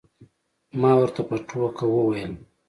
ما ورته په ټوکه وویل.